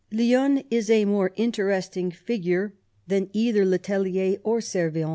Lionne is a more interesting figure than either le Tellier or Servien.